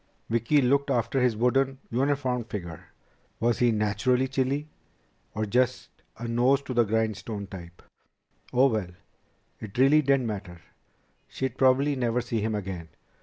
Vicki looked after his wooden, uniformed figure. Was he naturally chilly, or just a nose to the grindstone type? Oh, well! It really didn't matter. She'd probably never see him again.